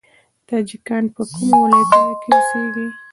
تاجکان په کومو ولایتونو کې اوسیږي؟